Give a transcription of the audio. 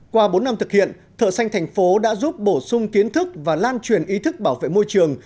qua bốn năm thực hiện thợ xanh thành phố đã giúp bổ sung kiến thức và lan truyền ý thức bảo vệ môi trường